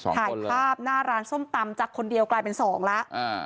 ถ่ายภาพหน้าร้านส้มตำจากคนเดียวกลายเป็นสองแล้ว